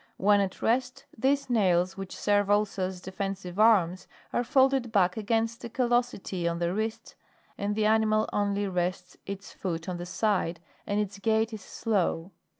When at rest, these nails, which serve also as defensive arms, are folded back against a callosity on the wrist, and the animal only rests its foot on the side, and its gait is slow.